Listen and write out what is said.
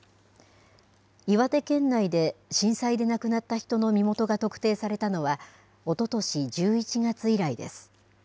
岩手県内で震災で亡くなった人の身元が特定されたのは、おととし１１月以来です。